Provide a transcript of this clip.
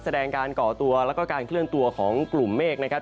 แสดงการก่อตัวแล้วก็การเคลื่อนตัวของกลุ่มเมฆนะครับ